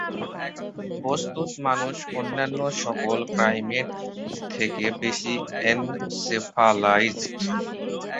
বস্তুত মানুষ অন্যান্য সকল প্রাইমেট থেকে বেশি এনসেফালাইজড।